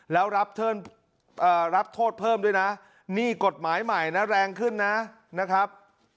แล้วรับโทษเพิ่มด้วยนะนี่กฎหมายใหม่นะแรงขึ้นนะนะครับ